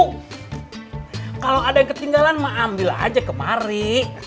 kalau ada yang ketinggalan mah ambil aja kemari